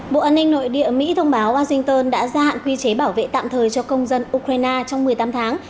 bộ an ninh nội địa mỹ thông báo washington đã gia hạn quy chế bảo vệ tạm thời cho công dân ukraine trong một mươi tám tháng